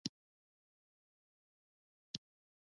د شعرونو دا لاندينۍ نمونې ددوې د وېبلاګ نه نقل کومه